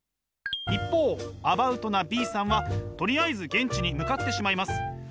一方アバウトなＢさんはとりあえず現地に向かってしまいます。